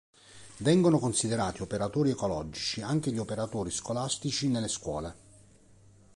Vengono considerati operatori ecologici anche gli operatori scolastici nelle scuole.